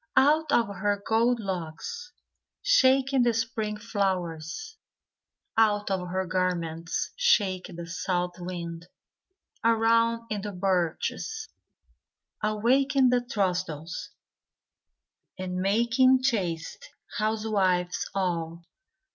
Out of her gold locks Shaking the spring flowers, Out of her garments Shaking the south wind, Around in the birches, Awaking the throstles, And making chaste housewives all.